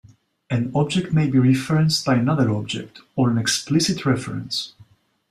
An object may be referenced by another object, or an explicit reference.